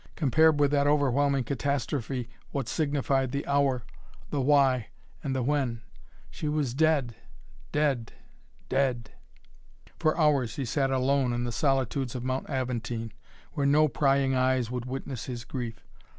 Compared with that overwhelming catastrophe what signified the Hour, the Why and the When. She was dead dead dead! For hours he sat alone in the solitudes of Mount Aventine, where no prying eyes would witness his grief.